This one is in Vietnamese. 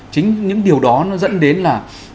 chính những điều đó nó dẫn đến là